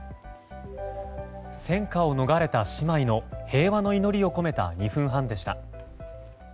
戦禍を逃れた姉妹の平和の祈りを込めた２分半でした。